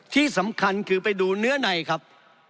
ที่สำคัญคือไปดูเนื้อในครับ